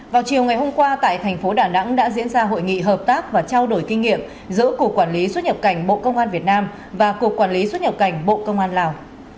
vào chiều ngày hôm qua tại thành phố đà nẵng đã diễn ra hội nghị hợp tác và trao đổi kinh nghiệm giữa cục quản lý xuất nhập cảnh bộ công an việt nam và cục quản lý xuất nhập cảnh bộ công an lào